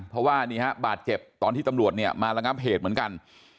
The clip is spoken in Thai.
เพราะว่านี่ฮะบาดเจ็บตอนที่ตำรวจเนี่ยมาระงับเหตุเหมือนกัน